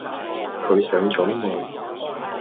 佢上咗岸